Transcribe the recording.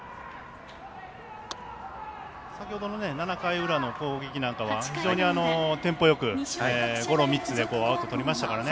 先ほどの７回裏の攻撃なんかは非常にテンポよくゴロを３つでアウト、とりましたからね。